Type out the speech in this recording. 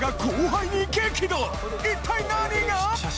一体何が？